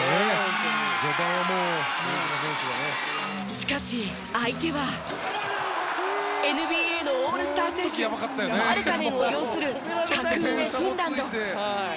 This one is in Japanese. しかし、相手はＮＢＡのオールスター選手マルカネンを擁する格上フィンランド。